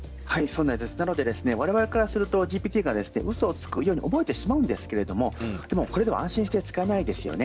我々からするとＧＰＴがうそをつくように思ってしまうんですが安心して使えないですよね。